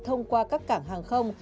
thông qua các cảng hàng không